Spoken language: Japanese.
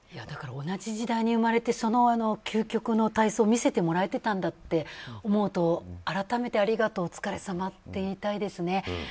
だから同じ時代に生まれてその究極の体操を見せてもらえてたんだと思うと改めてありがとうお疲れさまって言いたいですね。